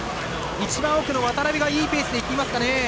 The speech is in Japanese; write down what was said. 一番奥の渡邊がいいペースでいきますかね。